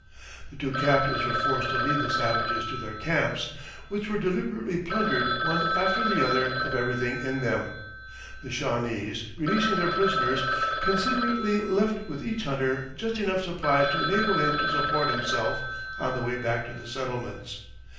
The two captives were forced to lead the savages to their camps, which were deliberately plundered, one after the other, of everything in them. The Shawnese, releasing their prisoners, considerately left with each hunter just enough supplies to enable him to support himself on the way back to the settlements.